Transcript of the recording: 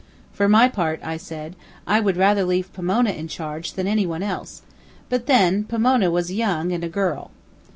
For my part, I said, I would rather leave Pomona in charge than any one else; but, then, Pomona was young and a girl.